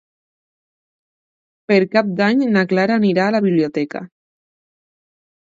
Per Cap d'Any na Clara anirà a la biblioteca.